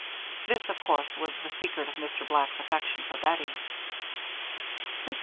This, of course, was the secret of Mr. Black's affection for Bettie. Mr.